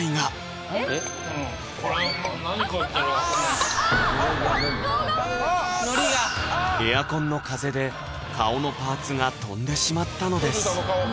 あ顔がエアコンの風で顔のパーツが飛んでしまったのです